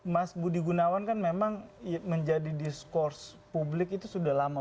mas budi gunawan kan memang menjadi diskurs publik itu sudah lama